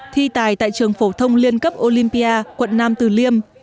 thi tài tại trường phổ thông liên cấp olympia quận nam từ liêm